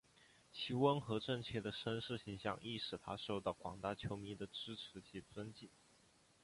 其温和正气的绅士形象亦使他受到广大球迷的支持及尊敬。